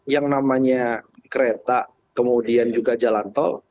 yang namanya kereta kemudian juga jalan tol